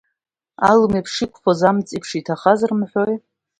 Алым еиԥш иқәԥоз, амҵ еиԥш иҭахаз рымҳәои.